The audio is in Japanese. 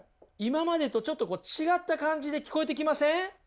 今までとちょっと違った感じで聞こえてきません？